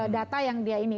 data yang dia ini